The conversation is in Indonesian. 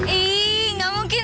ih gak mungkin